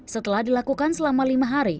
setelah dilakukan selama lima hari